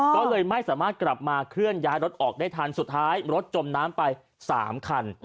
ก็เลยไม่สามารถกลับมาเคลื่อนย้ายรถออกได้ทันสุดท้ายรถจมน้ำไป๓คัน